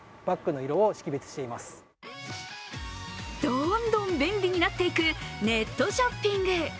どんどん便利になっていくネットショッピング。